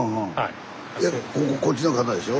でこここっちの方でしょ？